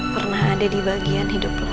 pernah ada di bagian hidup lo